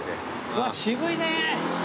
うわっ渋いね！